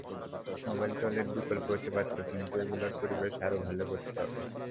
Mobile toilet বিকল্প হতে পারত, কিন্তু এগুলোর পরিবেশ আরও ভালো করতে হবে।